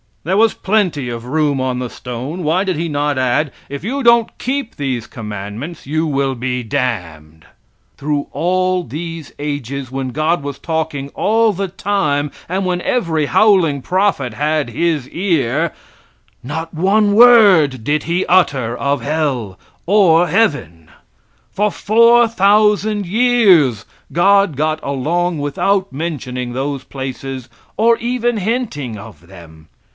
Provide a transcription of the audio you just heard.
There was plenty of room on the stone; why did He not add: "If you don't keep these commandments you will be damned." Through all these ages, when God was talking all the time, and when every howling prophet had His ear, not one word did He utter of hell or heaven. For 4,000 years God got along without mentioning those places or even hinting of them.